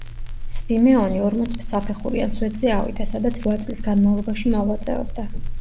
სვიმეონი ორმოც საფეხურიან სვეტზე ავიდა, სადაც რვა წლის განმავლობაში მოღვაწეობდა.